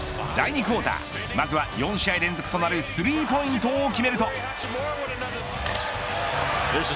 第２クオーターまずは４試合連続となるスリーポイントを決めると。